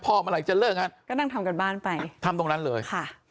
พ่อเมื่อไหร่จะเลิกก็นั่งทำกับบ้านไปทำตรงนั้นเลย